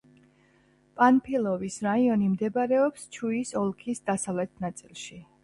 პანფილოვის რაიონი მდებარეობს ჩუის ოლქის დასავლეთ ნაწილში.